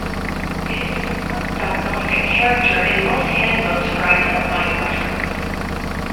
It is an important diagnostic character in most handbooks for identifying mushrooms.